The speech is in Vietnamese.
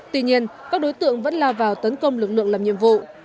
tuy nhiên các đối tượng vẫn lao vào tấn công lực lượng làm nhiệm vụ